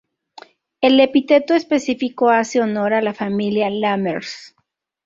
El epíteto específico hace honor a la familia Lammers.